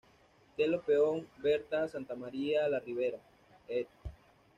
Tello Peón, Berta, Santa María la Ribera, Ed.